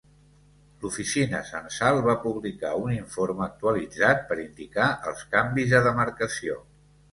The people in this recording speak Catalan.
L'oficina censal va publicar un informe actualitzat per indicar els canvis de demarcació.